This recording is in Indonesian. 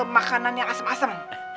makanan yang asem asem